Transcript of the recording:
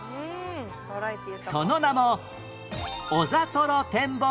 その名も